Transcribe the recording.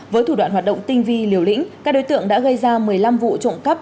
với thủ đoạn hoạt động tinh vi liều lĩnh các đối tượng đã gây ra một mươi năm vụ trộm cắp